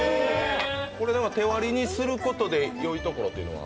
手割りにすることでよいところは？